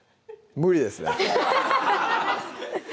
無理です